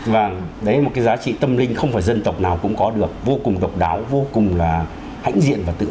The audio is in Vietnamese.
và đấy là một cái giá trị tâm linh không phải dân tộc nào cũng có được vô cùng độc đáo vô cùng là hãnh diện và tự hào